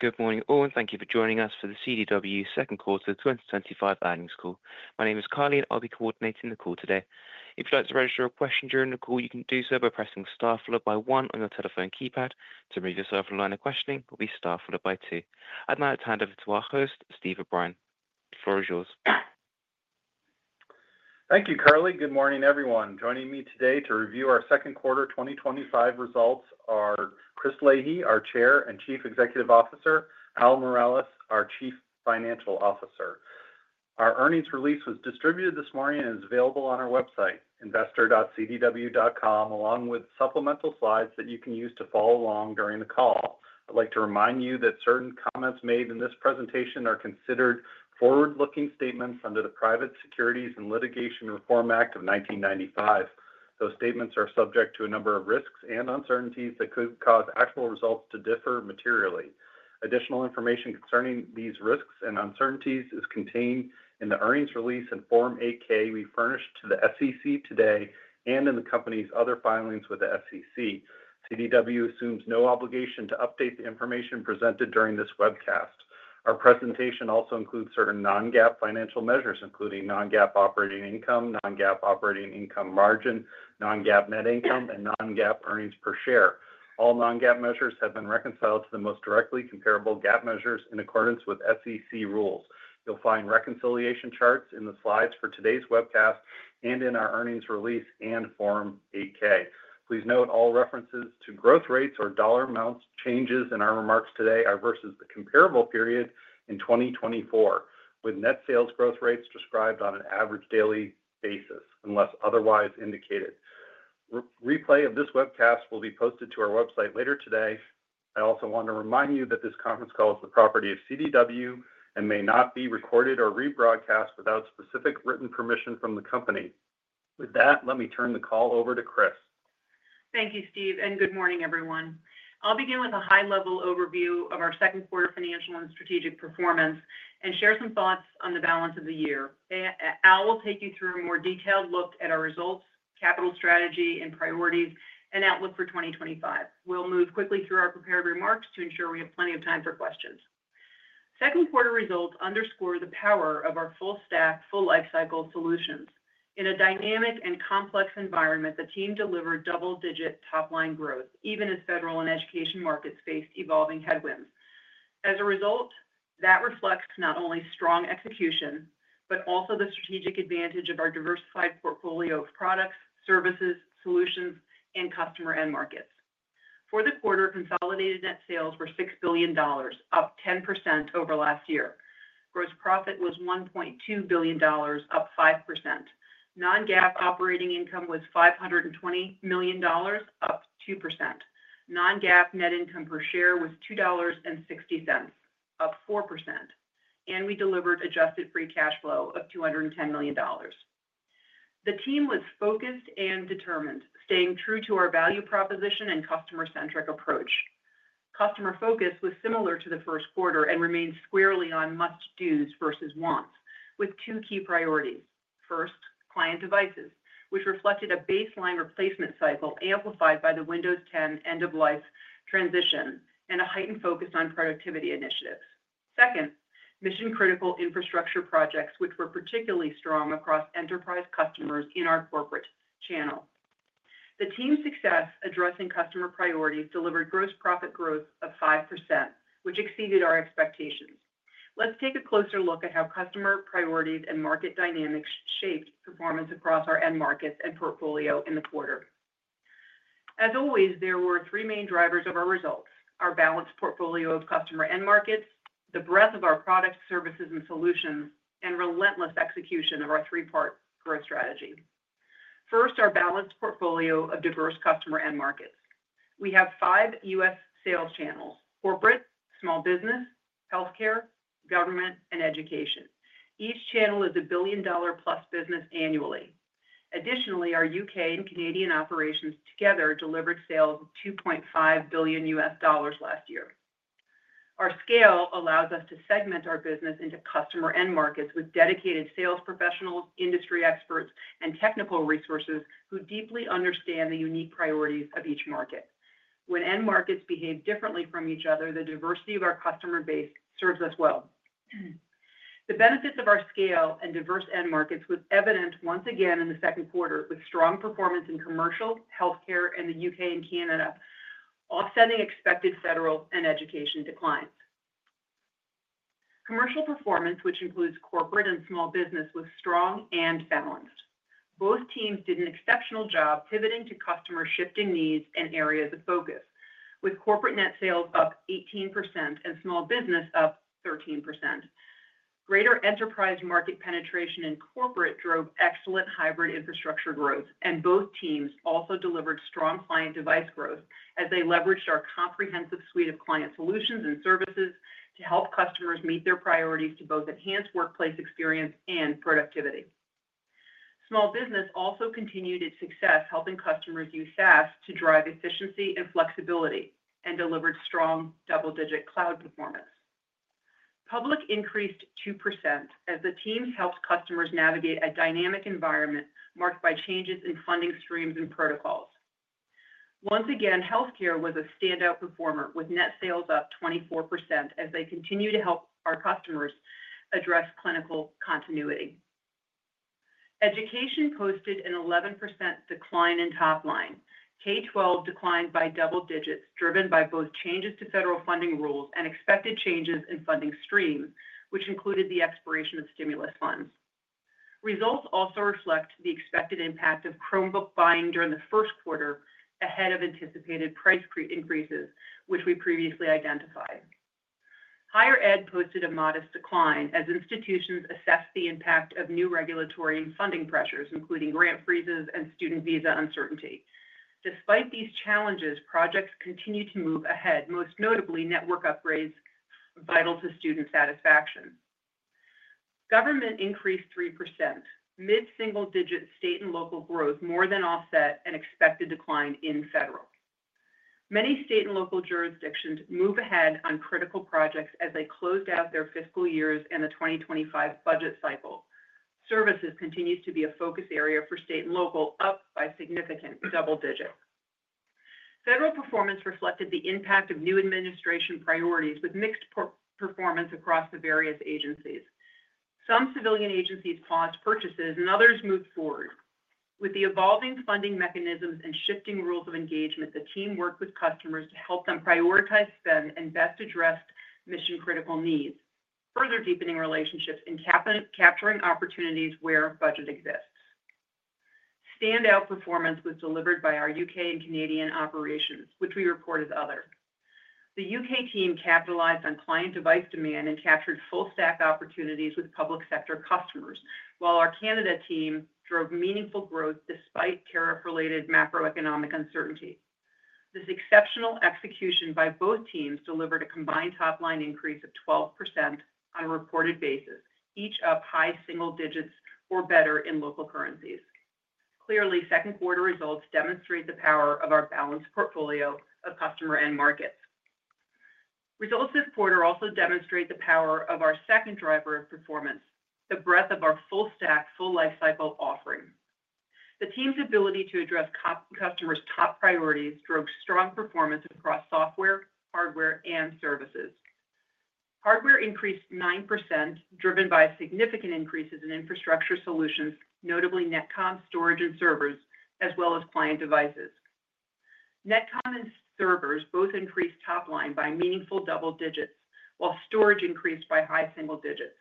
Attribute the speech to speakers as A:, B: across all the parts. A: Good morning all, and thank you for joining us for the CDW second quarter 2025 earnings call. My name is Carly and I'll be coordinating the call today. If you'd like to register a question during the call, you can do so by pressing star one on your telephone keypad. To move yourself to the line of questioning, it will be star two. I'd now like to hand over to our host, Steve O’Brien. The floor is yours.
B: Thank you, Carly. Good morning, everyone. Joining me today to review our second quarter 2025 results are Christine Leahy, our Chair and Chief Executive Officer, and Al Miralles, our Chief Financial Officer. Our earnings release was distributed this morning and is available on our website, investor.cdw.com, along with supplemental slides that you can use to follow along during the call. I'd like to remind you that certain comments made in this presentation are considered forward-looking statements under the Private Securities and Litigation Reform Act of 1995. Those statements are subject to a number of risks and uncertainties that could cause actual results to differ materially. Additional information concerning these risks and uncertainties is contained in the earnings release and Form 8-K we furnished to the SEC today and in the company's other filings with the SEC. CDW assumes no obligation to update the information presented during this webcast. Our presentation also includes certain non-GAAP financial measures, including non-GAAP operating income, non-GAAP operating income margin, non-GAAP net income, and non-GAAP earnings per share. All non-GAAP measures have been reconciled to the most directly comparable GAAP measures in accordance with SEC rules. You'll find reconciliation charts in the slides for today's webcast and in our earnings release and Form 8-K. Please note all references to growth rates or dollar amount changes in our remarks today are versus the comparable period in 2024, with net sales growth rates described on an average daily basis unless otherwise indicated. A replay of this webcast will be posted to our website later today. I also want to remind you that this conference call is the property of CDW and may not be recorded or rebroadcast without specific written permission from the company. With that, let me turn the call over to Christine.
C: Thank you, Steve, and good morning, everyone. I'll begin with a high-level overview of our second quarter financial and strategic performance and share some thoughts on the balance of the year. Al will take you through a more detailed look at our results, capital strategy, and priorities, and outlook for 2025. We'll move quickly through our prepared remarks to ensure we have plenty of time for questions. Second quarter results underscore the power of our full-stack, full-life cycle solutions. In a dynamic and complex environment, the team delivered double-digit top-line growth, even as federal and education markets faced evolving headwinds. That reflects not only strong execution but also the strategic advantage of our diversified portfolio of products, services, solutions, and customer end markets. For the quarter, consolidated net sales were $6 billion, up 10% over last year. Gross profit was $1.2 billion, up 5%. Non-GAAP operating income was $520 million, up 2%. Non-GAAP net income per share was $2.60, up 4%. We delivered adjusted free cash flow of $210 million. The team was focused and determined, staying true to our value proposition and customer-centric approach. Customer focus was similar to the first quarter and remains squarely on must-dos versus wants, with two key priorities. First, client devices, which reflected a baseline replacement cycle amplified by the Windows 10 end-of-life transition and a heightened focus on productivity initiatives. Second, mission-critical infrastructure projects, which were particularly strong across enterprise customers in our corporate channel. The team's success addressing customer priorities delivered gross profit growth of 5%, which exceeded our expectations. Let's take a closer look at how customer priorities and market dynamics shaped performance across our end markets and portfolio in the quarter. As always, there were three main drivers of our results: our balanced portfolio of customer end markets, the breadth of our products, services, and solutions, and relentless execution of our three-part growth strategy. First, our balanced portfolio of diverse customer end markets. We have five U.S. sales channels: corporate, small business, healthcare, government, and education. Each channel is a billion-dollar-plus business annually. Additionally, our U.K. and Canadian operations together delivered sales of $2.5 billion last year. Our scale allows us to segment our business into customer end markets with dedicated sales professionals, industry experts, and technical resources who deeply understand the unique priorities of each market. When end markets behave differently from each other, the diversity of our customer base serves us well. The benefits of our scale and diverse end markets were evident once again in the second quarter, with strong performance in commercial, healthcare, and the U.K. and Canada, offsetting expected federal and education declines. Commercial performance, which includes corporate and small business, was strong and balanced. Both teams did an exceptional job pivoting to customers' shifting needs and areas of focus, with corporate net sales up 18% and small business up 13%. Greater enterprise market penetration in corporate drove excellent hybrid infrastructure growth, and both teams also delivered strong client device growth as they leveraged our comprehensive suite of client solutions and services to help customers meet their priorities to both enhance workplace experience and productivity. Small business also continued its success, helping customers use SaaS to drive efficiency and flexibility and delivered strong double-digit cloud performance. Public increased 2% as the teams helped customers navigate a dynamic environment marked by changes in funding streams and protocols. Once again, healthcare was a standout performer, with net sales up 24% as they continue to help our customers address clinical continuity. Education posted an 11% decline in top line. K-12 declined by double digits, driven by both changes to federal funding rules and expected changes in funding streams, which included the expiration of stimulus funds. Results also reflect the expected impact of Chromebook buying during the first quarter, ahead of anticipated price increases, which we previously identified. Higher ed posted a modest decline as institutions assessed the impact of new regulatory and funding pressures, including grant freezes and student visa uncertainty. Despite these challenges, projects continue to move ahead, most notably network upgrades vital to student satisfaction. Government increased 3%. Mid-single-digit state and local growth more than offset an expected decline in federal. Many state and local jurisdictions move ahead on critical projects as they closed out their fiscal years and the 2025 budget cycle. Services continues to be a focus area for state and local, up by significant double digits. Federal performance reflected the impact of new administration priorities with mixed performance across the various agencies. Some civilian agencies paused purchases and others moved forward. With the evolving funding mechanisms and shifting rules of engagement, the team worked with customers to help them prioritize spend and best address mission-critical needs, further deepening relationships and capturing opportunities where budget exists. Standout performance was delivered by our U.K. and Canadian operations, which we report as others. The U.K. team capitalized on client device demand and captured full-stack opportunities with public sector customers, while our Canada team drove meaningful growth despite tariff-related macroeconomic uncertainty. This exceptional execution by both teams delivered a combined top-line increase of 12% on a reported basis, each up high single digits or better in local currencies. Clearly, second quarter results demonstrate the power of our balanced portfolio of customer end markets. Results this quarter also demonstrate the power of our second driver of performance, the breadth of our full-stack, full-life cycle offering. The team's ability to address customers' top priorities drove strong performance across software, hardware, and services. Hardware increased 9%, driven by significant increases in infrastructure solutions, notably Netcom storage and servers, as well as client devices. Netcom and servers both increased top line by meaningful double digits, while storage increased by high single digits.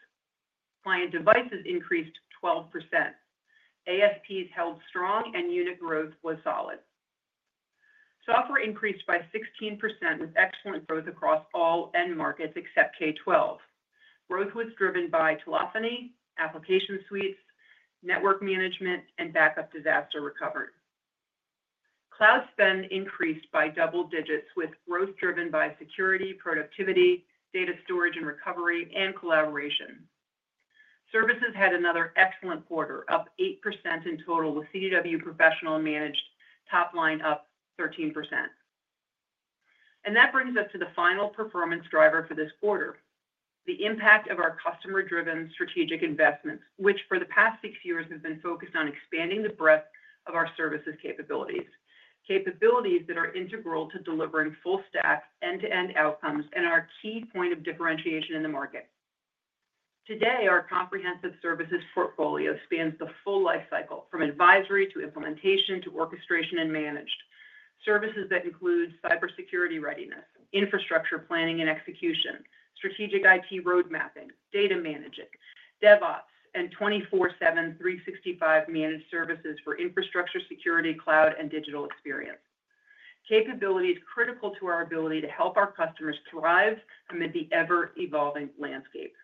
C: Client devices increased 12%. ASPs held strong and unit growth was solid. Software increased by 16% with excellent growth across all end markets except K-12. Growth was driven by telephony, application suites, network management, and backup disaster recovery. Cloud spend increased by double digits with growth driven by security, productivity, data storage and recovery, and collaboration. Services had another excellent quarter, up 8% in total, with CDW professional and managed top line up 13%. That brings us to the final performance driver for this quarter, the impact of our customer-driven strategic investments, which for the past six years have been focused on expanding the breadth of our services capabilities, capabilities that are integral to delivering full-stack end-to-end outcomes and are a key point of differentiation in the market. Today, our comprehensive services portfolio spans the full life cycle, from advisory to implementation to orchestration and management. Services that include cybersecurity readiness, infrastructure planning and execution, strategic IT road mapping, data management, DevOps, and 24/7/365 managed services for infrastructure, security, cloud, and digital experience. Capabilities critical to our ability to help our customers thrive amid the ever-evolving landscape.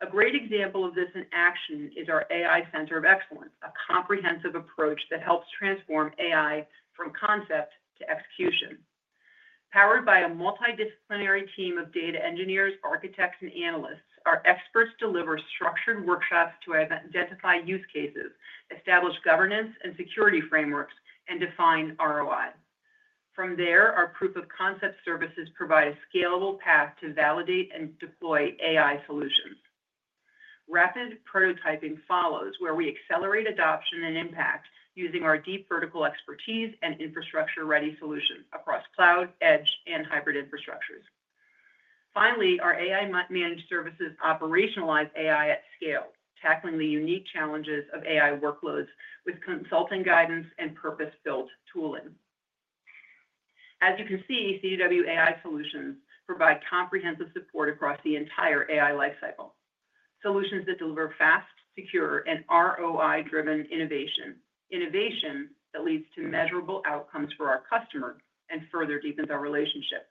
C: A great example of this in action is our AI Center of Excellence, a comprehensive approach that helps transform AI from concept to execution. Powered by a multidisciplinary team of data engineers, architects, and analysts, our experts deliver structured workshops to identify use cases, establish governance and security frameworks, and define ROI. From there, our proof of concept services provide a scalable path to validate and deploy AI solutions. Rapid prototyping follows, where we accelerate adoption and impact using our deep vertical expertise and infrastructure-ready solutions across cloud, edge, and hybrid infrastructures. Finally, our AI managed services operationalize AI at scale, tackling the unique challenges of AI workloads with consulting guidance and purpose-built tooling. As you can see, CDW AI solutions provide comprehensive support across the entire AI lifecycle. Solutions that deliver fast, secure, and ROI-driven innovation, innovation that leads to measurable outcomes for our customers and further deepens our relationship.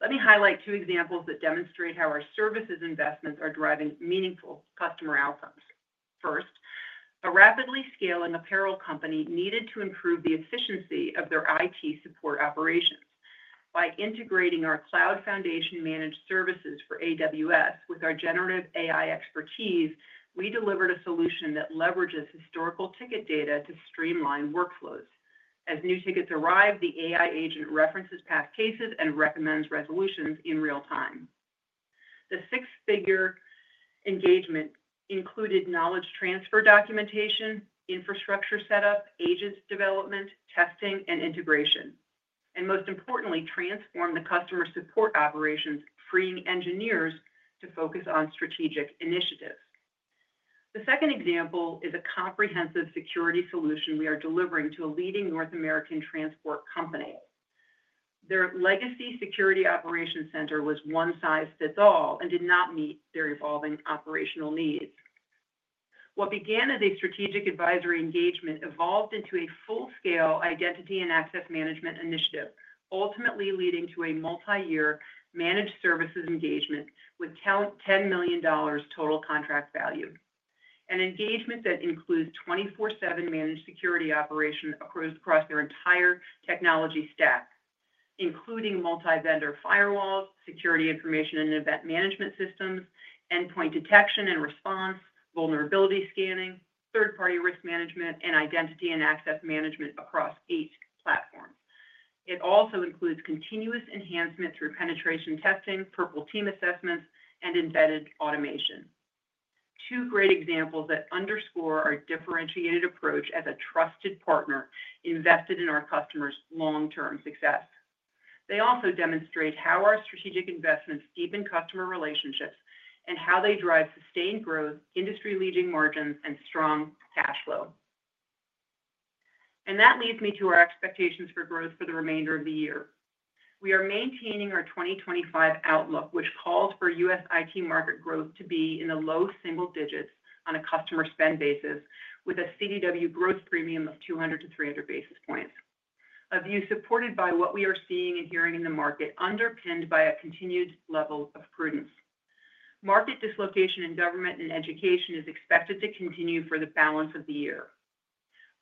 C: Let me highlight two examples that demonstrate how our services investments are driving meaningful customer outcomes. First, a rapidly scaling apparel company needed to improve the efficiency of their IT support operations. By integrating our cloud foundation managed services for AWS with our generative AI expertise, we delivered a solution that leverages historical ticket data to streamline workflows. As new tickets arrive, the AI assistant references past cases and recommends resolutions in real time. The six-figure engagement included knowledge transfer documentation, infrastructure setup, agent development, testing, and integration. Most importantly, it transformed the customer support operations, freeing engineers to focus on strategic initiatives. The second example is a comprehensive security solution we are delivering to a leading North American transport company. Their legacy security operations center was one size fits all and did not meet their evolving operational needs. What began as a strategic advisory engagement evolved into a full-scale identity and access management initiative, ultimately leading to a multi-year managed services engagement with $10 million total contract value. An engagement that includes 24/7 managed security operations across their entire technology stack, including multi-vendor firewalls, security information and event management systems, endpoint detection and response, vulnerability scanning, third-party risk management, and identity and access management across eight platforms. It also includes continuous enhancement through penetration testing, purple team assessments, and embedded automation. Two great examples that underscore our differentiated approach as a trusted partner invested in our customers' long-term success. They also demonstrate how our strategic investments deepen customer relationships and how they drive sustained growth, industry-leading margins, and strong cash flow. That leads me to our expectations for growth for the remainder of the year. We are maintaining our 2025 outlook, which calls for U.S. IT market growth to be in the low single digits on a customer spend basis, with a CDW growth premium of 200-300 basis points. A view supported by what we are seeing and hearing in the market, underpinned by a continued level of prudence. Market dislocation in government and education is expected to continue for the balance of the year.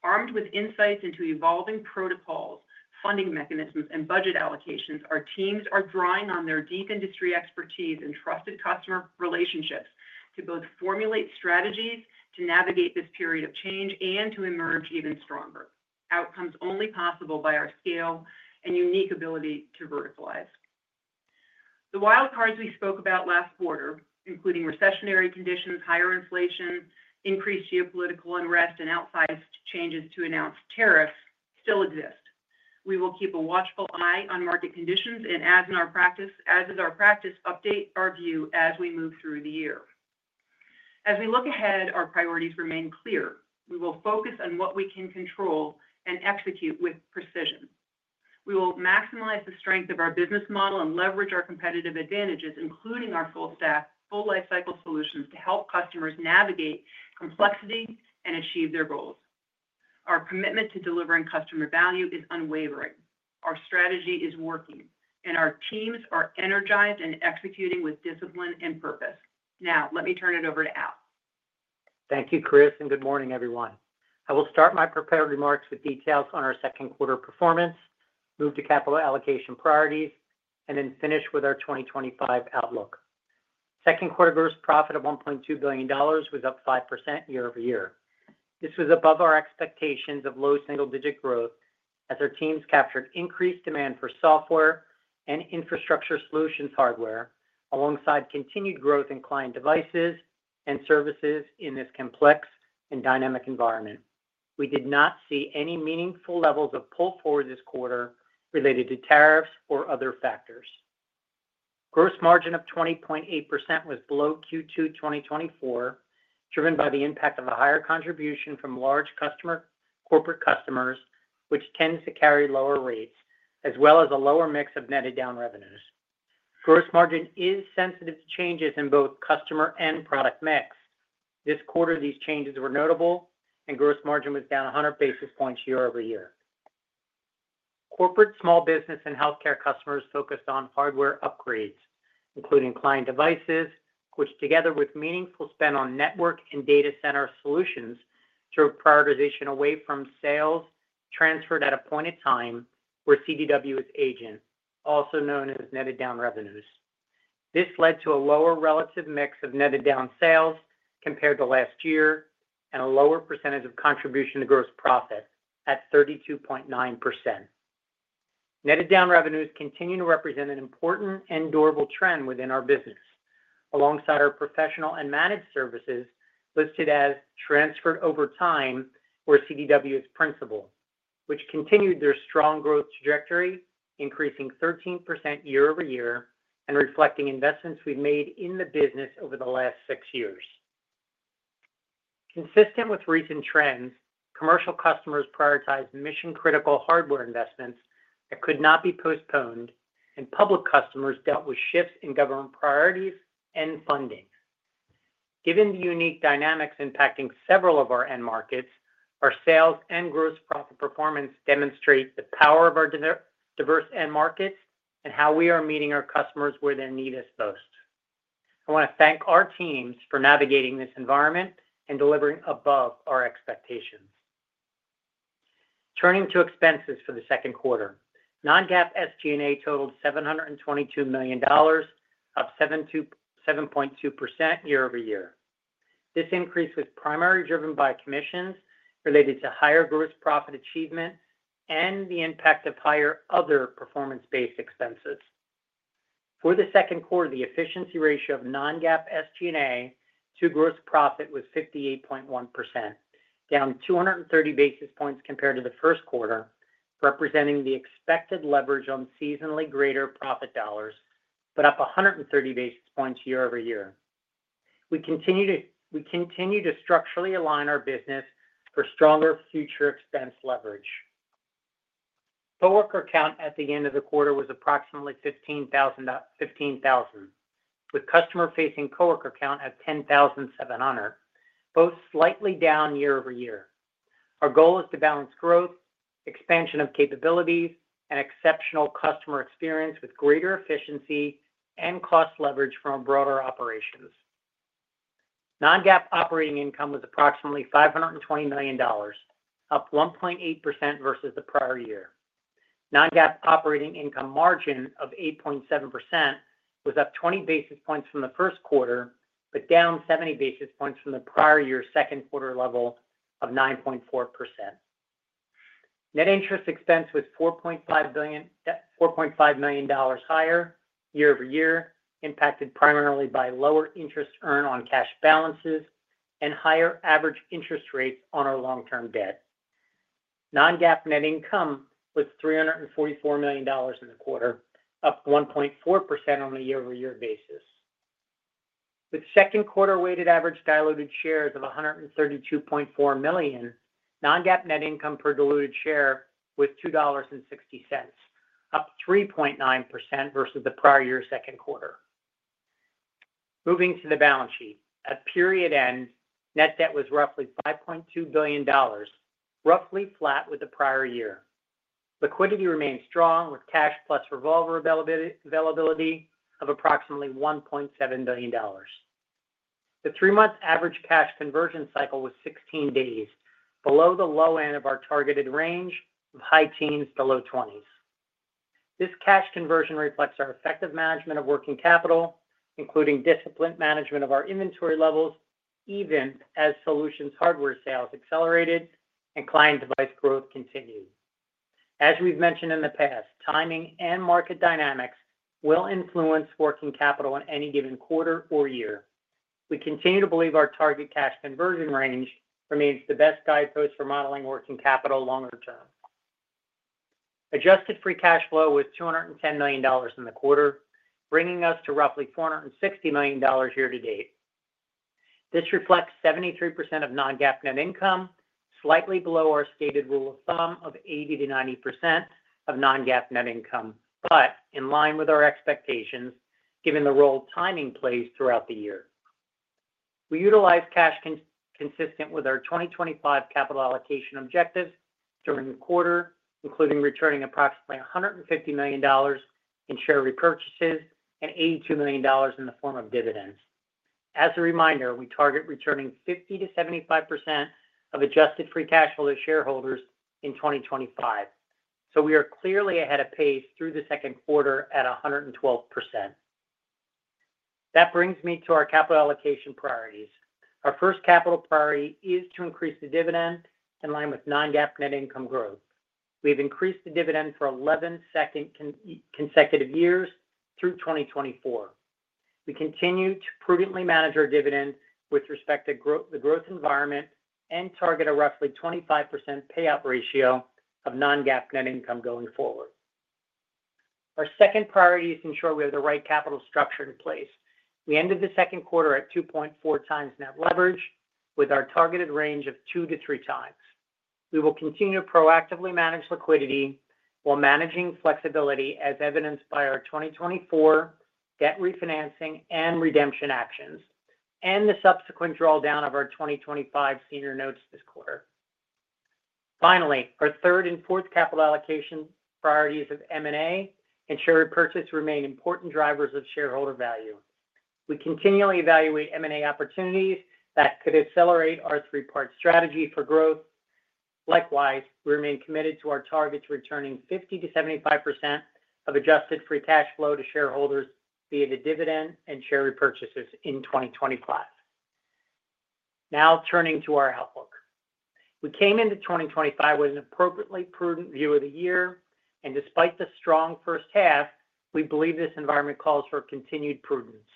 C: Armed with insights into evolving protocols, funding mechanisms, and budget allocations, our teams are drawing on their deep industry expertise and trusted customer relationships to both formulate strategies to navigate this period of change and to emerge even stronger. Outcomes only possible by our scale and unique ability to verticalize. The wild cards we spoke about last quarter, including recessionary conditions, higher inflation, increased geopolitical unrest, and outsized changes to announced tariffs, still exist. We will keep a watchful eye on market conditions and, as is our practice, update our view as we move through the year. As we look ahead, our priorities remain clear. We will focus on what we can control and execute with precision. We will maximize the strength of our business model and leverage our competitive advantages, including our full-stack, full-life cycle solutions to help customers navigate complexity and achieve their goals. Our commitment to delivering customer value is unwavering. Our strategy is working, and our teams are energized and executing with discipline and purpose. Now, let me turn it over to Al.
D: Thank you, Chris, and good morning, everyone. I will start my prepared remarks with details on our second quarter performance, move to capital allocation priorities, and then finish with our 2025 outlook. Second quarter gross profit of $1.2 billion was up 5% year-over-year. This was above our expectations of low single-digit growth as our teams captured increased demand for software and infrastructure solutions hardware, alongside continued growth in client devices and services in this complex and dynamic environment. We did not see any meaningful levels of pull forward this quarter related to tariffs or other factors. Gross margin of 20.8% was below Q2 2023, driven by the impact of a higher contribution from large corporate customers, which tends to carry lower rates, as well as a lower mix of netted down revenues. Gross margin is sensitive to changes in both customer and product mix. This quarter, these changes were notable, and gross margin was down 100 basis points year-over-year. Corporate, small business, and healthcare customers focused on hardware upgrades, including client devices, which together with meaningful spend on network and data center solutions drove prioritization away from sales transferred at a point in time where CDW is agent, also known as netted down revenues. This led to a lower relative mix of netted down sales compared to last year and a lower percentage of contribution to gross profit at 32.9%. Netted down revenues continue to represent an important and durable trend within our business, alongside our professional and managed services listed as transferred over time where CDW is principal, which continued their strong growth trajectory, increasing 13% year-over-year and reflecting investments we've made in the business over the last six years. Consistent with recent trends, commercial customers prioritized mission-critical hardware investments that could not be postponed, and public customers dealt with shifts in government priorities and funding. Given the unique dynamics impacting several of our end markets, our sales and gross profit performance demonstrate the power of our diverse end markets and how we are meeting our customers where their need is most. I want to thank our teams for navigating this environment and delivering above our expectations. Turning to expenses for the second quarter, non-GAAP SG&A totaled $722 million, up 7.2% year-over-year. This increase was primarily driven by commissions related to higher gross profit achievement and the impact of higher other performance-based expenses. For the second quarter, the efficiency ratio of non-GAAP SG&A to gross profit was 58.1%, down 230 basis points compared to the first quarter, representing the expected leverage on seasonally greater profit dollars, but up 130 basis points year-over-year. We continue to structurally align our business for stronger future expense leverage. Coworker count at the end of the quarter was approximately 15,000, with customer-facing coworker count at 10,700, both slightly down year-over-year. Our goal is to balance growth, expansion of capabilities, and exceptional customer experience with greater efficiency and cost leverage from our broader operations. Non-GAAP operating income was approximately $520 million, up 1.8% versus the prior year. Non-GAAP operating income margin of 8.7% was up 20 basis points from the first quarter, but down 70 basis points from the prior year's second quarter level of 9.4%. Net interest expense was $4.5 million higher year-over-year, impacted primarily by lower interest earned on cash balances and higher average interest rates on our long-term debt. Non-GAAP net income was $344 million in the quarter, up 1.4% on a year-over-year basis. With second quarter weighted average diluted shares of 132.4 million, non-GAAP net income per diluted share was $2.60, up 3.9% versus the prior year's second quarter. Moving to the balance sheet, at period end, net debt was roughly $5.2 billion, roughly flat with the prior year. Liquidity remains strong with cash plus revolver availability of approximately $1.7 billion. The three-month average cash conversion cycle was 16 days, below the low end of our targeted range of high teens to low twenties. This cash conversion reflects our effective management of working capital, including disciplined management of our inventory levels, even as solutions hardware sales accelerated and client device growth continued. As we've mentioned in the past, timing and market dynamics will influence working capital in any given quarter or year. We continue to believe our target cash conversion range remains the best guidepost for modeling working capital longer term. Adjusted free cash flow was $210 million in the quarter, bringing us to roughly $460 million year to date. This reflects 73% of non-GAAP net income, slightly below our stated rule of thumb of 80%-90% of non-GAAP net income, but in line with our expectations, given the role timing plays throughout the year. We utilize cash consistent with our 2025 capital allocation objectives during the quarter, including returning approximately $150 million in share repurchases and $82 million in the form of dividends. As a reminder, we target returning 50%-75% of adjusted free cash flow to shareholders in 2025. We are clearly ahead of pace through the second quarter at 112%. That brings me to our capital allocation priorities. Our first capital priority is to increase the dividend in line with non-GAAP net income growth. We've increased the dividend for 11 consecutive years through 2024. We continue to prudently manage our dividend with respect to the growth environment and target a roughly 25% payout ratio of non-GAAP net income going forward. Our second priority is to ensure we have the right capital structure in place. We ended the second quarter at 2.4 times net leverage, with our targeted range of two to three times. We will continue to proactively manage liquidity while managing flexibility, as evidenced by our 2024 debt refinancing and redemption actions and the subsequent drawdown of our 2025 senior notes this quarter. Finally, our third and fourth capital allocation priorities of M&A and share repurchase remain important drivers of shareholder value. We continually evaluate M&A opportunities that could accelerate our three-part strategy for growth. Likewise, we remain committed to our targets of returning 50%-75% of adjusted free cash flow to shareholders via the dividend and share repurchases in 2025. Now turning to our outlook. We came into 2025 with an appropriately prudent view of the year, and despite the strong first half, we believe this environment calls for continued prudence.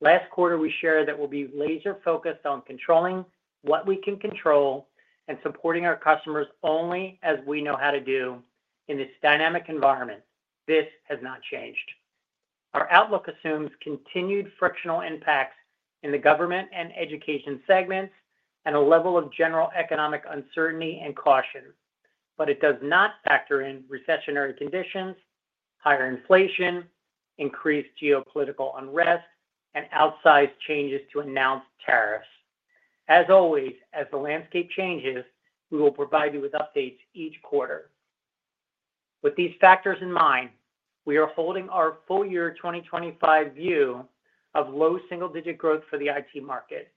D: Last quarter, we shared that we'll be laser-focused on controlling what we can control and supporting our customers only as we know how to do in this dynamic environment. This has not changed. Our outlook assumes continued frictional impacts in the government and education segments and a level of general economic uncertainty and caution, but it does not factor in recessionary conditions, higher inflation, increased geopolitical unrest, and outsized changes to announced tariffs. As always, as the landscape changes, we will provide you with updates each quarter. With these factors in mind, we are holding our full-year 2025 view of low single-digit growth for the IT market.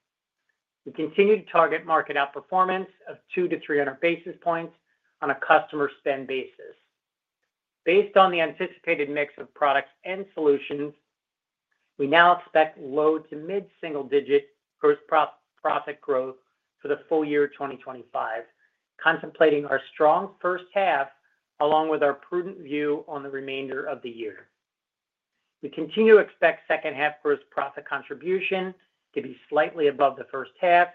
D: We continue to target market outperformance of 200-300 basis points on a customer spend basis. Based on the anticipated mix of products and solutions, we now expect low to mid-single-digit gross profit growth for the full year 2025, contemplating our strong first half along with our prudent view on the remainder of the year. We continue to expect second half gross profit contribution to be slightly above the first half,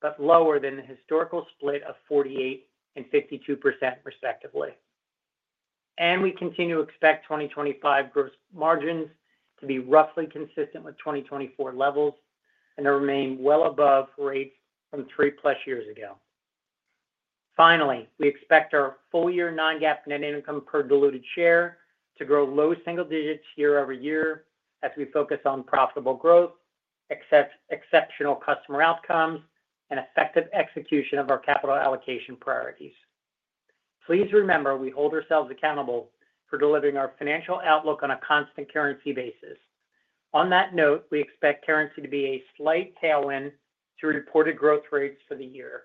D: but lower than the historical split of 48% and 52% respectively. We continue to expect 2025 gross margins to be roughly consistent with 2024 levels and to remain well above rates from three plus years ago. Finally, we expect our full-year non-GAAP net income per diluted share to grow low single digits year-over-year as we focus on profitable growth, exceptional customer outcomes, and effective execution of our capital allocation priorities. Please remember we hold ourselves accountable for delivering our financial outlook on a constant currency basis. On that note, we expect currency to be a slight tailwind to reported growth rates for the year.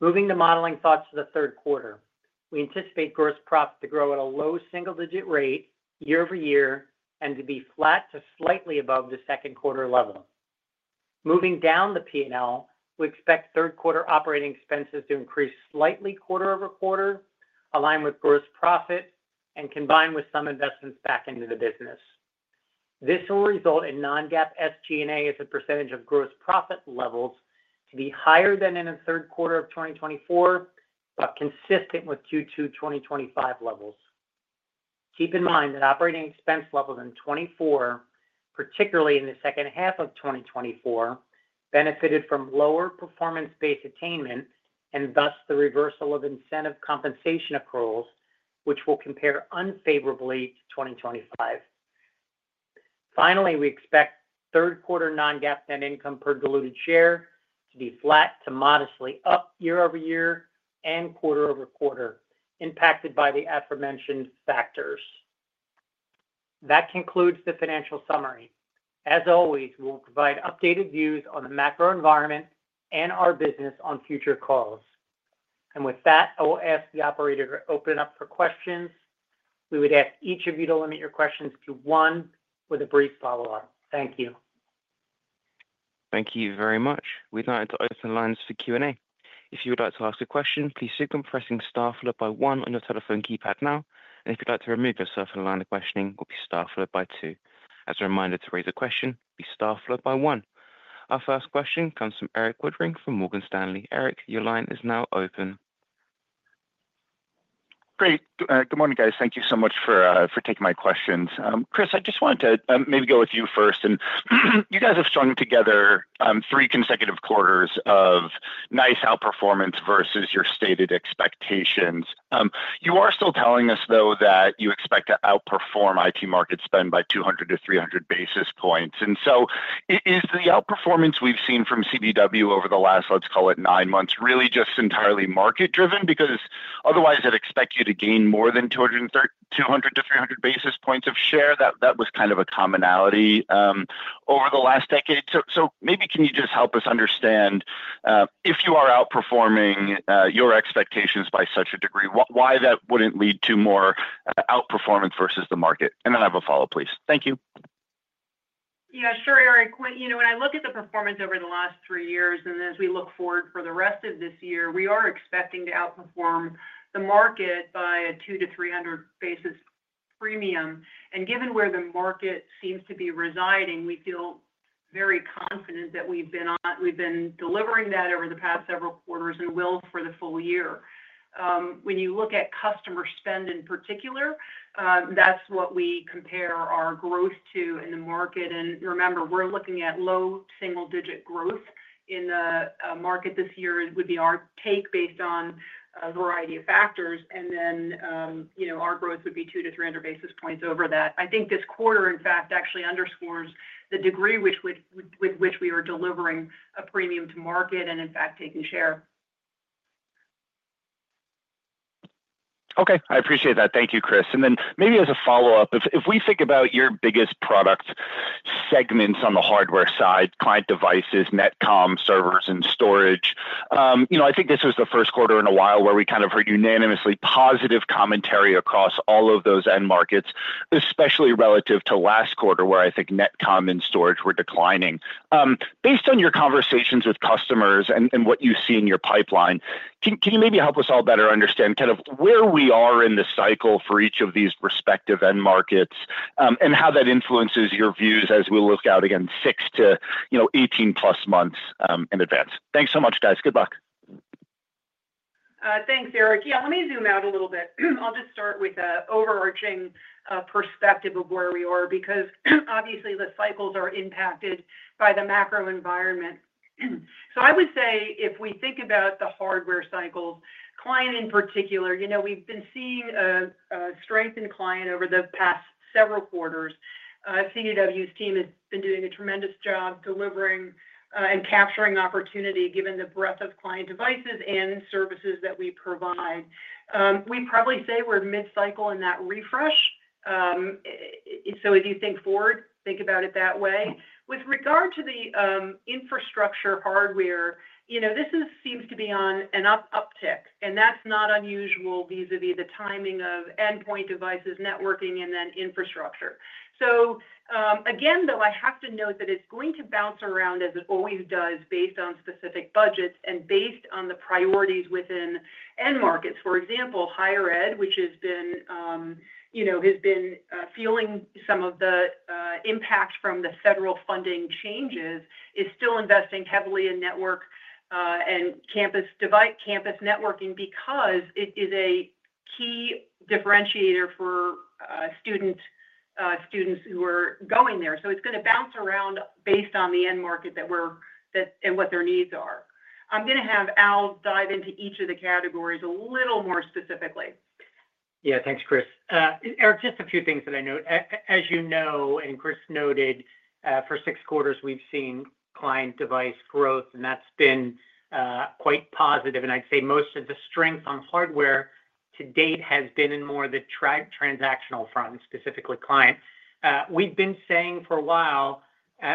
D: Moving to modeling thoughts of the third quarter, we anticipate gross profit to grow at a low single-digit rate year-over-year and to be flat to slightly above the second quarter level. Moving down the P&L, we expect third quarter operating expenses to increase slightly quarter-over-quarter, align with gross profit, and combine with some investments back into the business. This will result in non-GAAP SG&A as a percentage of gross profit levels to be higher than in the third quarter of 2024, but consistent with Q2 2025 levels. Keep in mind that operating expense levels in 2024, particularly in the second half of 2024, benefited from lower performance-based attainment and thus the reversal of incentive compensation accruals, which will compare unfavorably to 2025. Finally, we expect third quarter non-GAAP net income per diluted share to be flat to modestly up year-over-year and quarter-over-quarter, impacted by the aforementioned factors. That concludes the financial summary. As always, we'll provide updated views on the macro environment and our business on future calls. With that, I will ask the operator to open it up for questions. We would ask each of you to limit your questions to one with a brief follow-up. Thank you.
A: Thank you very much. We'd like to open lines for Q&A. If you would like to ask a question, please stick on pressing star one on your telephone keypad now. If you'd like to remove yourself from the line of questioning, it will be star two. As a reminder to raise a question, it will be star one. Our first question comes from Erik Woodring from Morgan Stanley. Erik, your line is now open.
E: Great. Good morning, guys. Thank you so much for taking my questions. Christine, I just wanted to maybe go with you first. You guys have strung together three consecutive quarters of nice outperformance versus your stated expectations. You are still telling us, though, that you expect to outperform IT market spend by 200-300 basis points. Is the outperformance we've seen from CDW over the last, let's call it, nine months really just entirely market-driven? Otherwise, I'd expect you to gain more than 200-300 basis points of share. That was kind of a commonality over the last decade. Can you just help us understand if you are outperforming your expectations by such a degree, why that wouldn't lead to more outperformance versus the market? I have a follow-up, please. Thank you.
C: Yeah, sure, Erik. You know, when I look at the performance over the last three years, and as we look forward for the rest of this year, we are expecting to outperform the market by a 200-300 basis point premium. Given where the market seems to be residing, we feel very confident that we've been delivering that over the past several quarters and will for the full year. When you look at customer spend in particular, that's what we compare our growth to in the market. Remember, we're looking at low single-digit growth in the market this year would be our take based on a variety of factors. Our growth would be 200-300 basis points over that. I think this quarter, in fact, actually underscores the degree with which we are delivering a premium to market and, in fact, taking share.
E: Okay, I appreciate that. Thank you, Chris. Maybe as a follow-up, if we think about your biggest product segments on the hardware side, client devices, Netcom, servers, and storage, I think this was the first quarter in a while where we kind of heard unanimously positive commentary across all of those end markets, especially relative to last quarter where I think Netcom and storage were declining. Based on your conversations with customers and what you see in your pipeline, can you maybe help us all better understand kind of where we are in the cycle for each of these prospective end markets and how that influences your views as we look out again six to, you know, 18+ months in advance? Thanks so much, guys. Good luck.
C: Thanks, Erik. Yeah, let me zoom out a little bit. I'll just start with the overarching perspective of where we are because obviously the cycles are impacted by the macro environment. I would say if we think about the hardware cycles, client in particular, we've been seeing a strength in client over the past several quarters. I've seen the team has been doing a tremendous job delivering and capturing opportunity given the breadth of client devices and services that we provide. We probably say we're mid-cycle in that refresh. If you think forward, think about it that way. With regard to the infrastructure hardware, this seems to be on an uptick, and that's not unusual vis-à-vis the timing of endpoint devices, networking, and then infrastructure. I have to note that it's going to bounce around as it always does based on specific budgets and based on the priorities within end markets. For example, higher ed, which has been feeling some of the impacts from the federal funding changes, is still investing heavily in network and campus networking because it is a key differentiator for students who are going there. It's going to bounce around based on the end market that we're in and what their needs are. I'm going to have Al dive into each of the categories a little more specifically.
D: Yeah, thanks, Chris. Erik, just a few things that I note. As you know, and Chris noted, for six quarters, we've seen client device growth, and that's been quite positive. I'd say most of the strength on hardware to date has been in more of the transactional front, specifically client. We've been saying for a while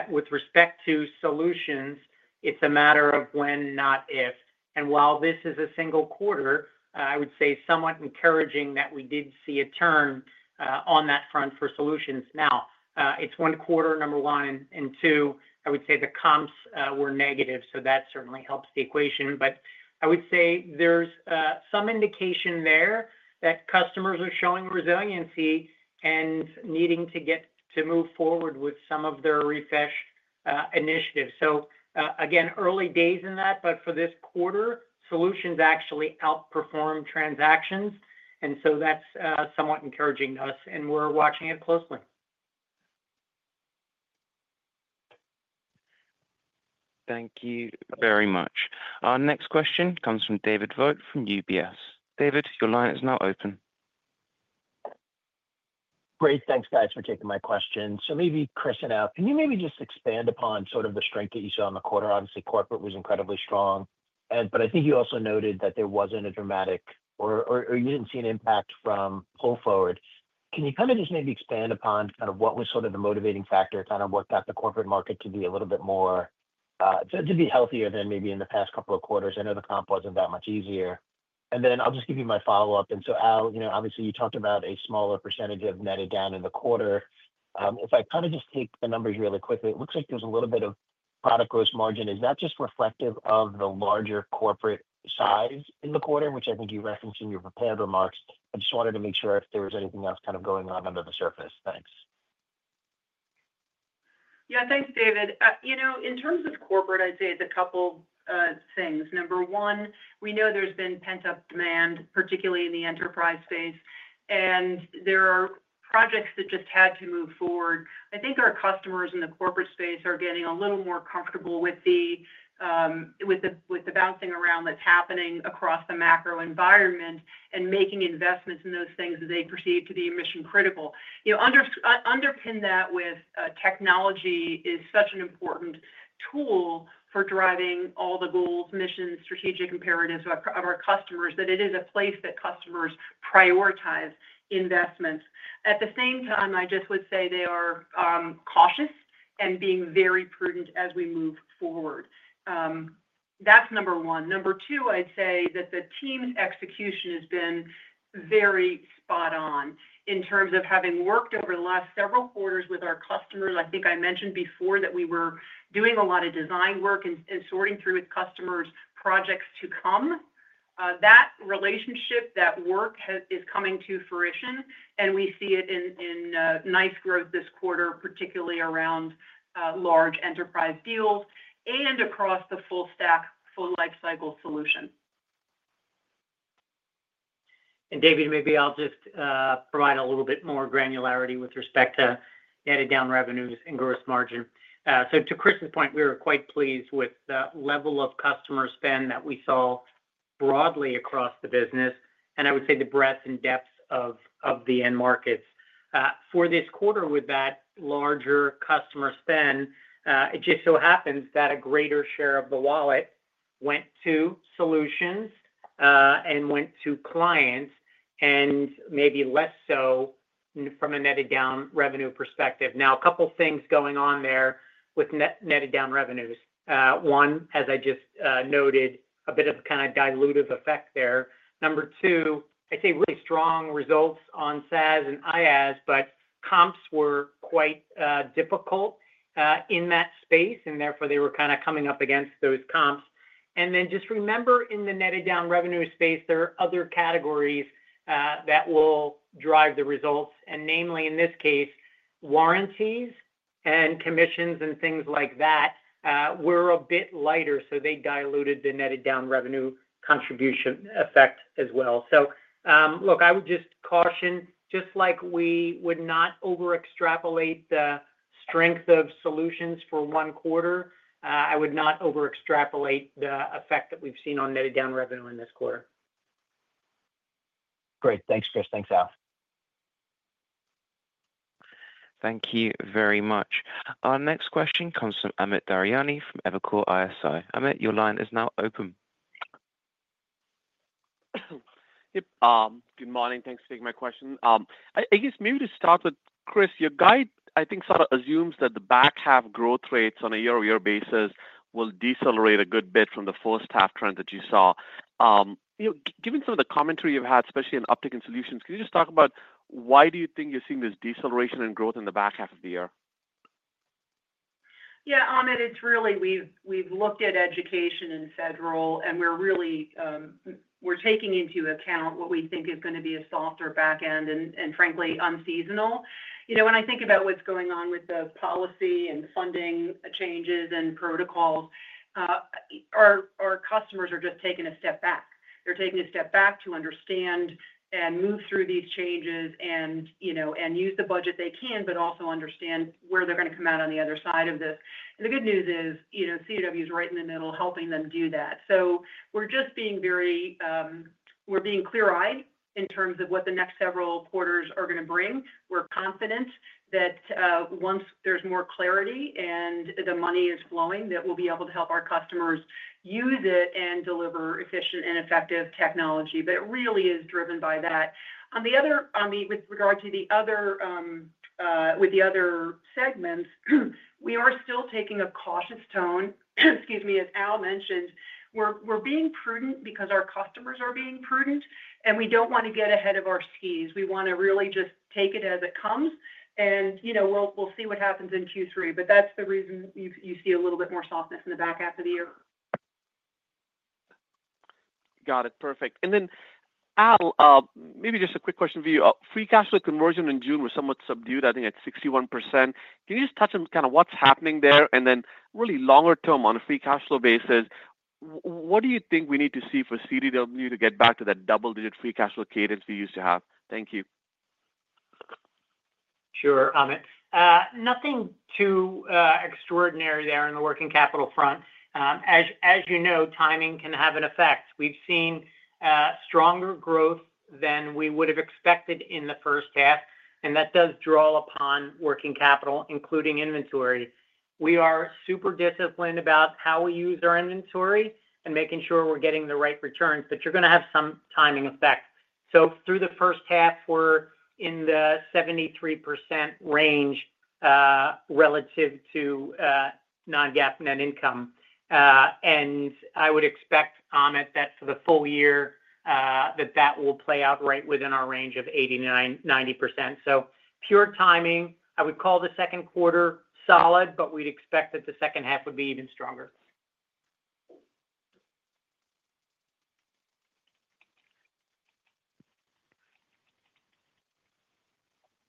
D: with respect to solutions, it's a matter of when, not if. While this is a single quarter, I would say somewhat encouraging that we did see a turn on that front for solutions. Now, it's one quarter, number one, and two, I would say the comps were negative, so that certainly helps the equation. I would say there's some indication there that customers are showing resiliency and needing to get to move forward with some of their refresh initiatives. Again, early days in that, but for this quarter, solutions actually outperform transactions, and that's somewhat encouraging to us, and we're watching it closely.
A: Thank you very much. Our next question comes from David Vogt from UBS. David, your line is now open.
F: Great, thanks guys for taking my question. Maybe Christine and Al, can you expand upon the strength that you saw in the quarter? Obviously, corporate was incredibly strong. I think you also noted that there wasn't a dramatic, or you didn't see an impact from pull forward. Can you expand upon what was the motivating factor, what got the corporate market to be a little bit more, to be healthier than maybe in the past couple of quarters? I know the comp wasn't that much easier. I'll just give you my follow-up. Al, you talked about a smaller percentage of netted down in the quarter. If I take the numbers really quickly, it looks like there's a little bit of product gross margin. Is that just reflective of the larger corporate size in the quarter, which I think you referenced in your prepared remarks? I wanted to make sure if there was anything else going on under the surface. Thanks.
C: Yeah, thanks, David. In terms of corporate, I'd say it's a couple of things. Number one, we know there's been pent-up demand, particularly in the enterprise space, and there are projects that just had to move forward. I think our customers in the corporate space are getting a little more comfortable with the bouncing around that's happening across the macro environment and making investments in those things that they perceive to be mission-critical. Underpin that with technology is such an important tool for driving all the goals, missions, strategic imperatives of our customers that it is a place that customers prioritize investments. At the same time, I just would say they are cautious and being very prudent as we move forward. That's number one. Number two, I'd say that the team's execution has been very spot on in terms of having worked over the last several quarters with our customers. I think I mentioned before that we were doing a lot of design work and sorting through with customers projects to come. That relationship, that work is coming to fruition, and we see it in nice growth this quarter, particularly around large enterprise deals and across the full-stack, full life cycle solution.
D: David, maybe I'll just provide a little bit more granularity with respect to netted down revenues and gross margin. To Chris's point, we were quite pleased with the level of customer spend that we saw broadly across the business, and I would say the breadth and depth of the end markets. For this quarter, with that larger customer spend, it just so happens that a greater share of the wallet went to solutions and went to clients, and maybe less so from a netted down revenue perspective. A couple of things going on there with netted down revenues. One, as I just noted, a bit of a kind of diluted effect there. Number two, I'd say really strong results on SaaS and IaaS, but comps were quite difficult in that space, and therefore they were kind of coming up against those comps. Just remember in the netted down revenue space, there are other categories that will drive the results, and namely in this case, warranties and commissions and things like that were a bit lighter, so they diluted the netted down revenue contribution effect as well. I would just caution, just like we would not over-extrapolate the strength of solutions for one quarter, I would not over-extrapolate the effect that we've seen on netted down revenue in this quarter.
F: Great, thanks Christine, thanks Al.
A: Thank you very much. Our next question comes from Amit Daryanani from Evercore ISI. Amit, your line is now open.
G: Yep, good morning, thanks for taking my question. I guess maybe to start with, Christine, your guide I think sort of assumes that the back half growth rates on a year-over-year basis will decelerate a good bit from the first half trend that you saw. Given some of the commentary you've had, especially an uptick in solutions, can you just talk about why you think you're seeing this deceleration in growth in the back half of the year?
C: Yeah, Amit, we've looked at education and federal, and we're really taking into account what we think is going to be a softer backend and frankly unseasonal. When I think about what's going on with the policy and funding changes and protocols, our customers are just taking a step back. They're taking a step back to understand and move through these changes and use the budget they can, but also understand where they're going to come out on the other side of this. The good news is, CDW is right in the middle helping them do that. We're just being very clear-eyed in terms of what the next several quarters are going to bring. We're confident that once there's more clarity and the money is flowing, we'll be able to help our customers use it and deliver efficient and effective technology. It really is driven by that. With regard to the other segments, we are still taking a cautious tone, as Al mentioned. We're being prudent because our customers are being prudent, and we don't want to get ahead of our skis. We want to really just take it as it comes, and we'll see what happens in Q3. That's the reason you see a little bit more softness in the back half of the year.
G: Got it, perfect. Al, maybe just a quick question for you. Free cash flow conversion in June was somewhat subdued, I think at 61%. Can you just touch on kind of what's happening there? Really longer term on a free cash flow basis, what do you think we need to see for CDW to get back to that double-digit free cash flow cadence we used to have? Thank you.
D: Sure, Amit. Nothing too extraordinary there on the working capital front. As you know, timing can have an effect. We've seen stronger growth than we would have expected in the first half, and that does draw upon working capital, including inventory. We are super disciplined about how we use our inventory and making sure we're getting the right returns, but you're going to have some timing effect. Through the first half, we're in the 73% range relative to non-GAAP net income. I would expect, Amit, that for the full year, that will play out right within our range of 89%, 90%. Pure timing. I would call the second quarter solid, but we'd expect that the second half would be even stronger.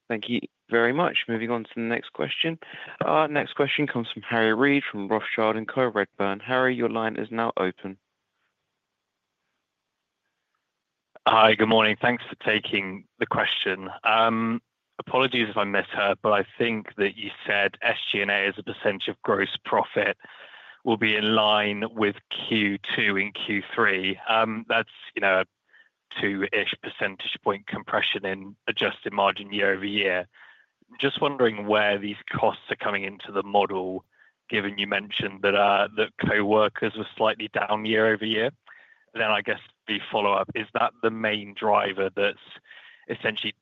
A: Thank you very much. Moving on to the next question. Our next question comes from Harry Reid from Rothschild & Co. Redburn. Harry, your line is now open.
H: Hi, good morning. Thanks for taking the question. Apologies if I missed that, but I think that you said SG&A as a percentage of gross profit will be in line with Q2 in Q3. That's a 2% compression in adjusted margin year-over-year. I'm just wondering where these costs are coming into the model, given you mentioned that coworkers were slightly down year-over-year. I guess the follow-up, is that the main driver that's essentially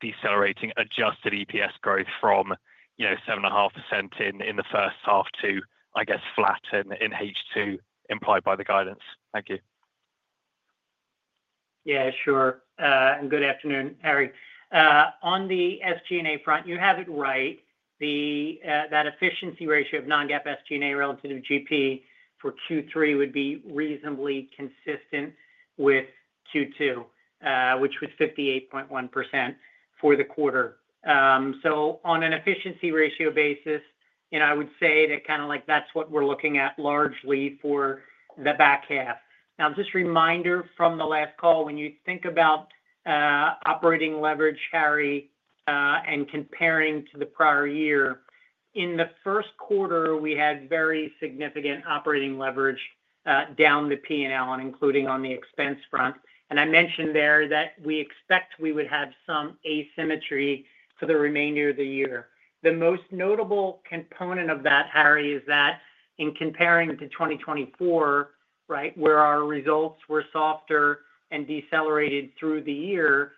H: decelerating adjusted EPS growth from 7.5% in the first half to, I guess, flat in H2 implied by the guidance? Thank you.
D: Yeah, sure. Good afternoon, Harry. On the SG&A front, you have it right. That efficiency ratio of non-GAAP SG&A relative to GP for Q3 would be reasonably consistent with Q2, which was 58.1% for the quarter. On an efficiency ratio basis, that's what we're looking at largely for the back half. Just a reminder from the last call, when you think about operating leverage, Harry, and comparing to the prior year, in the first quarter, we had very significant operating leverage down the P&L and including on the expense front. I mentioned there that we expect we would have some asymmetry for the remainder of the year. The most notable component of that, Harry, is that in comparing to 2024, where our results were softer and decelerated through the year,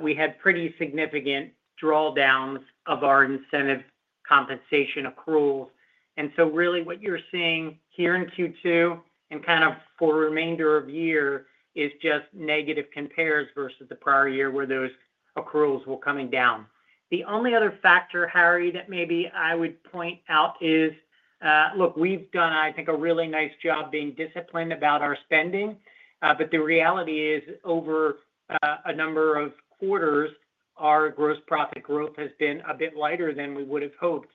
D: we had pretty significant drawdowns of our incentive compensation accruals. What you're seeing here in Q2 and for the remainder of the year is just negative compares versus the prior year where those accruals were coming down. The only other factor, Harry, that I would point out is, look, we've done, I think, a really nice job being disciplined about our spending. The reality is over a number of quarters, our gross profit growth has been a bit lighter than we would have hoped.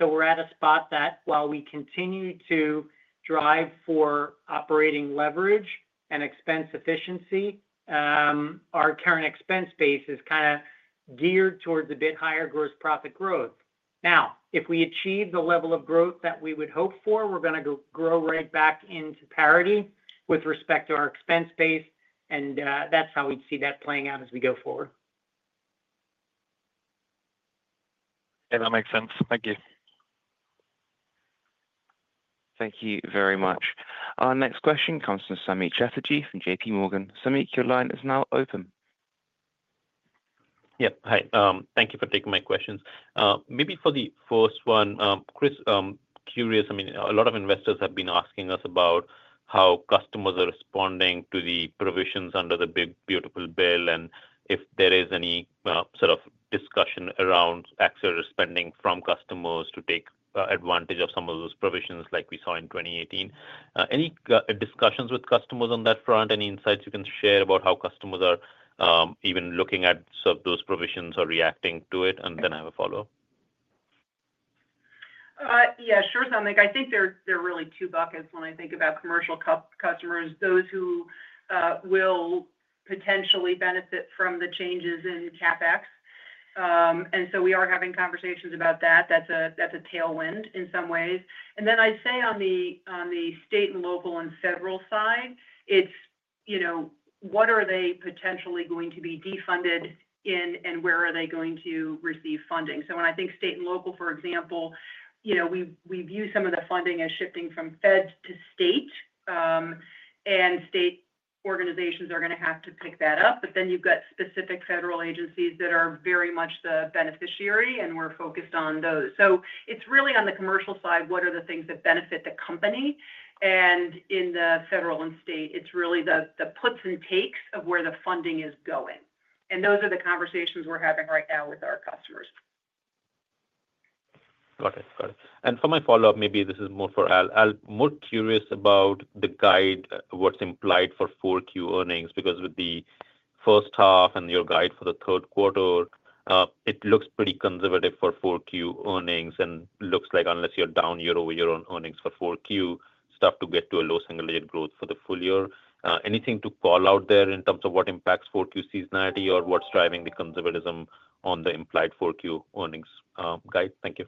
D: We're at a spot that while we continue to drive for operating leverage and expense efficiency, our current expense base is kind of geared towards a bit higher gross profit growth. If we achieve the level of growth that we would hope for, we're going to grow right back into parity with respect to our expense base. That's how we'd see that playing out as we go forward.
H: Yeah, that makes sense. Thank you.
A: Thank you very much. Our next question comes from Samik Chatterjee from J.P. Morgan. Samik, your line is now open.
I: Thank you for taking my questions. Maybe for the first one, Christine, I'm curious, I mean, a lot of investors have been asking us about how customers are responding to the provisions under the Big Beautiful Bill and if there is any sort of discussion around access spending from customers to take advantage of some of those provisions like we saw in 2018. Any discussions with customers on that front? Any insights you can share about how customers are even looking at those provisions or reacting to it? I have a follow-up.
C: Yeah, sure, Samik. I think there are really two buckets when I think about commercial customers, those who will potentially benefit from the changes in CapEx. We are having conversations about that. That's a tailwind in some ways. I'd say on the state and local and federal side, it's, you know, what are they potentially going to be defunded in and where are they going to receive funding? When I think state and local, for example, we view some of the funding as shifting from federal to state. State organizations are going to have to pick that up. You've got specific federal agencies that are very much the beneficiary, and we're focused on those. It's really on the commercial side, what are the things that benefit the company? In the federal and state, it's really the puts and takes of where the funding is going. Those are the conversations we're having right now with our customers.
I: Got it. For my follow-up, maybe this is more for Al. Al, I'm more curious about the guide, what's implied for 4Q earnings, because with the first half and your guide for the third quarter, it looks pretty conservative for 4Q earnings, and it looks like unless you're down year-over-year on earnings for 4Q, it's tough to get to a low single-digit growth for the full year. Anything to call out there in terms of what impacts 4Q seasonality or what's driving the conservatism on the implied 4Q earnings guide? Thank you.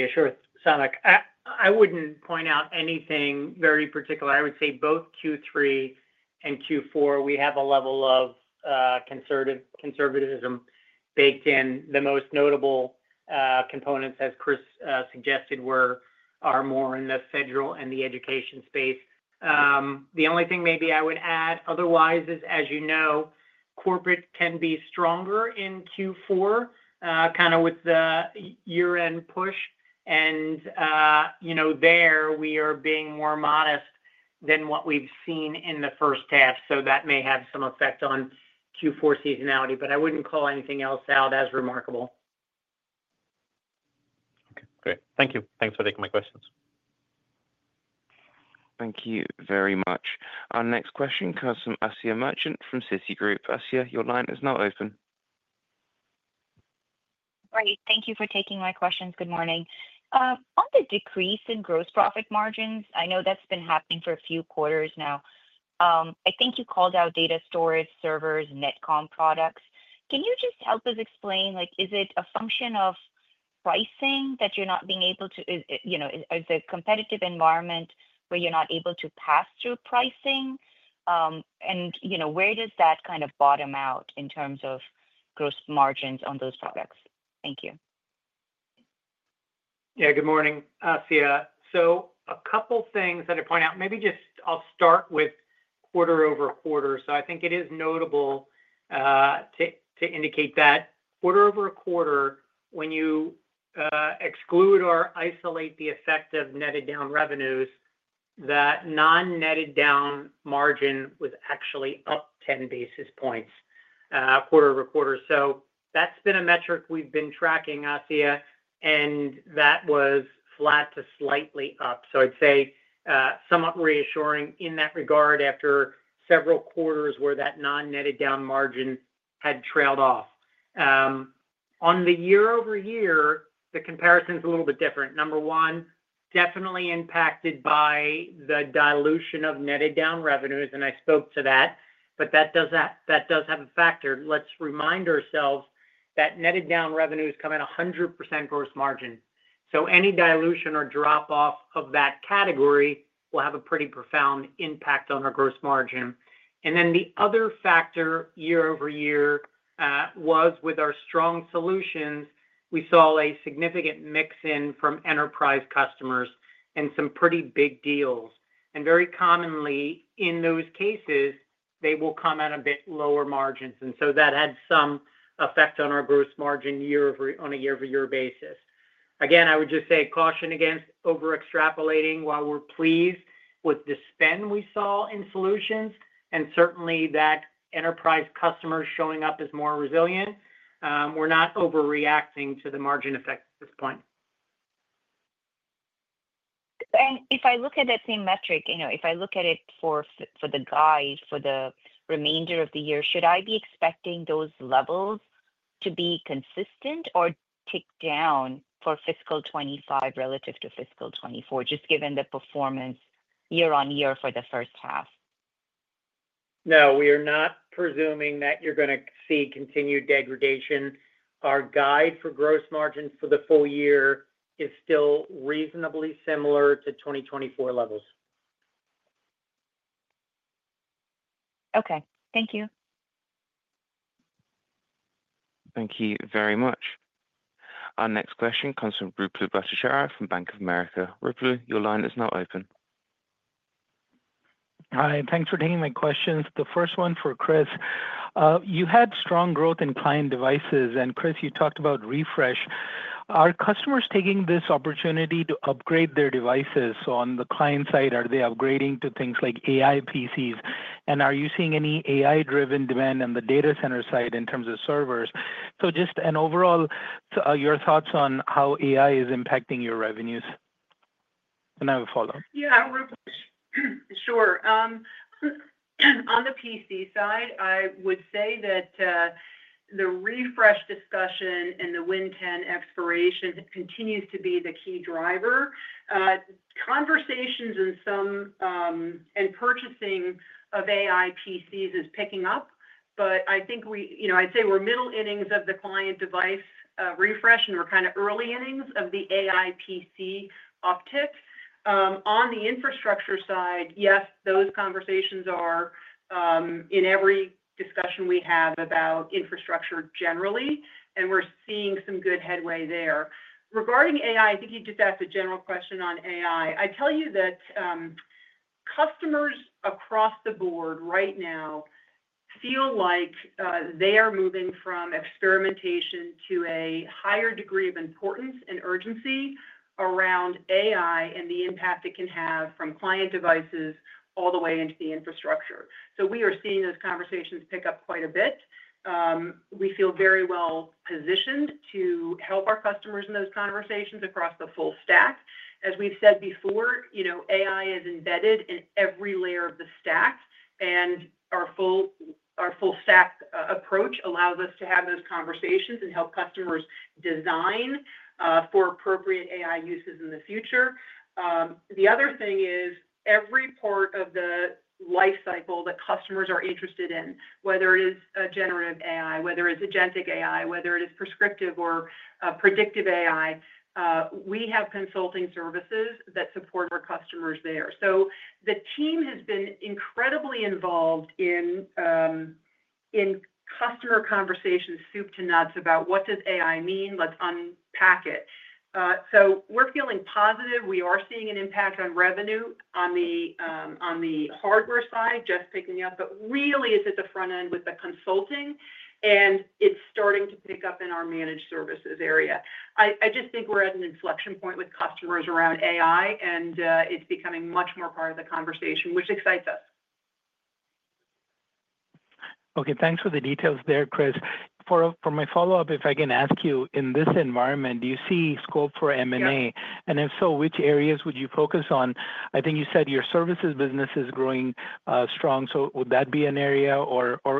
D: Yeah, sure, Samik. I wouldn't point out anything very particular. I would say both Q3 and Q4, we have a level of conservatism baked in. The most notable components, as Chris suggested, are more in the federal and the education space. The only thing maybe I would add otherwise is, as you know, corporate can be stronger in Q4, kind of with the year-end push. There we are being more modest than what we've seen in the first half. That may have some effect on Q4 seasonality, but I wouldn't call anything else out as remarkable.
I: Okay, great. Thank you. Thanks for taking my questions.
A: Thank you very much. Our next question comes from Asiya Merchant from Citi. Asiya, your line is now open.
J: Right. Thank you for taking my questions. Good morning. On the decrease in gross profit margins, I know that's been happening for a few quarters now. I think you called out data storage, servers, and Netcom products. Can you just help us explain, like, is it a function of pricing that you're not being able to, you know, is the competitive environment where you're not able to pass through pricing? Where does that kind of bottom out in terms of gross margins on those products? Thank you.
D: Yeah, good morning, Asiya. A couple of things I'd point out. Maybe just I'll start with quarter-over-quarter. I think it is notable to indicate that quarter-over-quarter, when you exclude or isolate the effect of netted down revenues, that non-netted down margin was actually up 10 basis points quarter-over-quarter. That's been a metric we've been tracking, Asiya, and that was flat to slightly up. I'd say somewhat reassuring in that regard after several quarters where that non-netted down margin had trailed off. On the year-over-year, the comparison is a little bit different. Number one, definitely impacted by the dilution of netted down revenues, and I spoke to that, but that does have a factor. Let's remind ourselves that netted down revenues come at 100% gross margin. Any dilution or drop-off of that category will have a pretty profound impact on our gross margin. The other factor year-over-year was with our strong solutions, we saw a significant mix-in from enterprise customers and some pretty big deals. Very commonly in those cases, they will come at a bit lower margins. That had some effect on our gross margin on a year-over-year basis. Again, I would just say caution against over-extrapolating while we're pleased with the spend we saw in solutions, and certainly that enterprise customers showing up as more resilient. We're not overreacting to the margin effect at this point.
J: If I look at that same metric, if I look at it for the guide for the remainder of the year, should I be expecting those levels to be consistent or tick down for fiscal 2025 relative to fiscal 2024, just given the performance year on year for the first half?
D: No, we are not presuming that you're going to see continued degradation. Our guide for gross margins for the full year is still reasonably similar to 2024 levels.
J: Okay, thank you.
A: Thank you very much. Our next question comes from Ruplu Bhattacharya from Bank of America. Ruplu, your line is now open.
K: Hi, and thanks for taking my questions. The first one for Chris. You had strong growth in client devices, and Chris, you talked about refresh. Are customers taking this opportunity to upgrade their devices? On the client side, are they upgrading to things like AI PCs? Are you seeing any AI-driven demand on the data center side in terms of servers? Just overall, your thoughts on how AI is impacting your revenues? I have a follow-up.
C: Yeah, Ruplu, sure. On the PC side, I would say that the refresh discussion and the Windows 10 expiration continues to be the key driver. Conversations and some purchasing of AI PCs are picking up, but I think we, you know, I'd say we're middle innings of the client device refresh, and we're kind of early innings of the AI PC uptick. On the infrastructure side, yes, those conversations are in every discussion we have about infrastructure generally, and we're seeing some good headway there. Regarding AI, I think you just asked a general question on AI. I tell you that customers across the board right now feel like they are moving from experimentation to a higher degree of importance and urgency around AI and the impact it can have from client devices all the way into the infrastructure. We are seeing those conversations pick up quite a bit. We feel very well positioned to help our customers in those conversations across the full stack. As we've said before, AI is embedded in every layer of the stack, and our full stack approach allows us to have those conversations and help customers design for appropriate AI uses in the future. The other thing is every part of the lifecycle that customers are interested in, whether it is generative AI, whether it's agentic AI, whether it is prescriptive or predictive AI, we have consulting services that support our customers there. The team has been incredibly involved in customer conversations soup to nuts about what does AI mean. Let's unpack it. We're feeling positive. We are seeing an impact on revenue on the hardware side, just picking up, but really it's at the front end with the consulting, and it's starting to pick up in our managed services area. I just think we're at an inflection point with customers around AI, and it's becoming much more part of the conversation, which excites us.
K: Okay, thanks for the details there, Christine. For my follow-up, if I can ask you, in this environment, do you see scope for M&A? If so, which areas would you focus on? I think you said your services business is growing strong. Would that be an area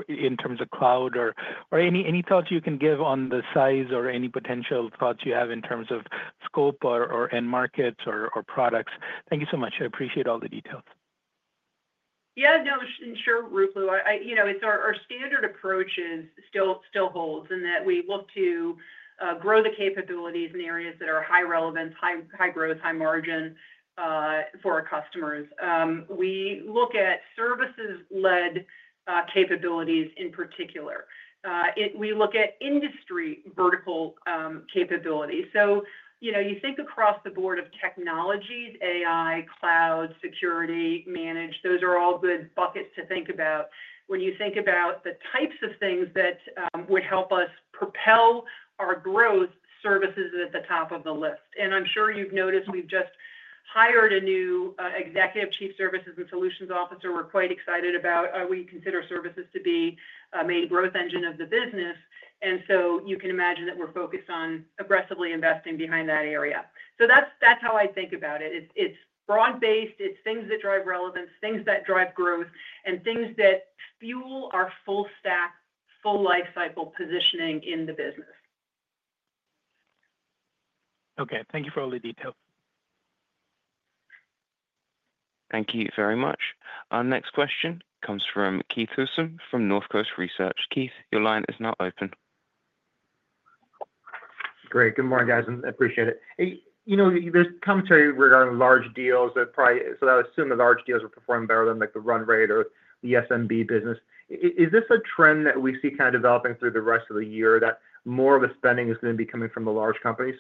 K: in terms of cloud or any thoughts you can give on the size or any potential thoughts you have in terms of scope or end markets or products? Thank you so much. I appreciate all the details.
C: Yeah, sure, Ruplu. Our standard approach still holds in that we look to grow the capabilities in areas that are high relevance, high growth, high margin for our customers. We look at services-led capabilities in particular. We look at industry vertical capabilities. You think across the board of technologies, AI, cloud, security, managed, those are all good buckets to think about. When you think about the types of things that would help us propel our growth, services are at the top of the list. I'm sure you've noticed we've just hired a new Executive Chief Services and Solutions Officer we're quite excited about. We consider services to be a main growth engine of the business, and you can imagine that we're focused on aggressively investing behind that area. That's how I think about it. It's broad-based. It's things that drive relevance, things that drive growth, and things that fuel our full-stack, full-life cycle positioning in the business.
K: Okay, thank you for all the details.
A: Thank you very much. Our next question comes from Keith Housum from Northcoast Research. Keith, your line is now open.
L: Great, good morning, guys, and I appreciate it. There's commentary regarding large deals that probably, so I assume the large deals are performing better than like the run rate or the SMB business. Is this a trend that we see kind of developing through the rest of the year that more of the spending is going to be coming from the large companies?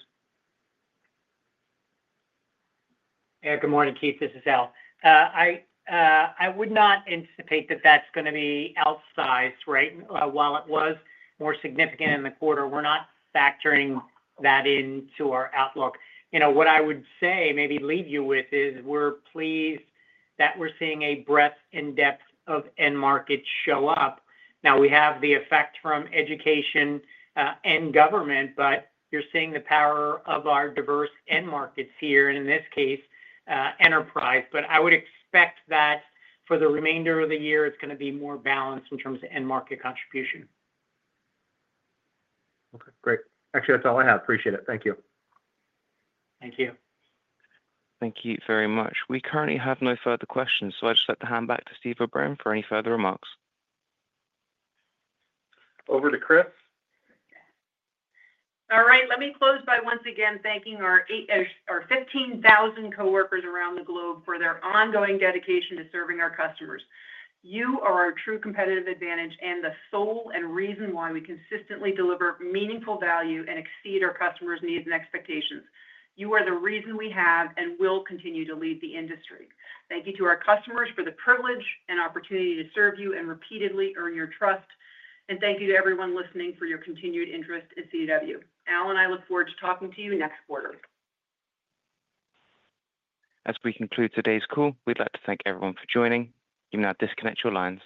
D: Good morning, Keith. This is Al. I would not anticipate that that's going to be outsized, right? While it was more significant in the quarter, we're not factoring that into our outlook. What I would say maybe leave you with is we're pleased that we're seeing a breadth and depth of end markets show up. Now, we have the effect from education and government, but you're seeing the power of our diverse end markets here, and in this case, enterprise. I would expect that for the remainder of the year, it's going to be more balanced in terms of end market contribution.
L: Okay, great. Actually, that's all I have. Appreciate it. Thank you.
D: Thank you.
A: Thank you very much. We currently have no further questions, so I'd just like to hand back to Steve O’Brien for any further remarks.
B: Over to Christine.
C: All right, let me close by once again thanking our 15,000 coworkers around the globe for their ongoing dedication to serving our customers. You are our true competitive advantage and the sole reason why we consistently deliver meaningful value and exceed our customers' needs and expectations. You are the reason we have and will continue to lead the industry. Thank you to our customers for the privilege and opportunity to serve you and repeatedly earn your trust. Thank you to everyone listening for your continued interest in CDW. Al and I look forward to talking to you next quarter.
A: As we conclude today's call, we'd like to thank everyone for joining. You may now disconnect your lines.